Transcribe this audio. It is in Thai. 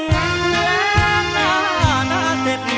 แหวะหน้าทาเสด็จ